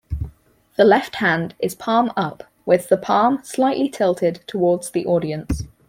The left hand is palm up with the palm slightly tilted towards the audience.